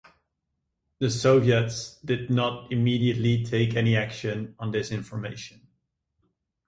The Soviets did not immediately take any action on this information.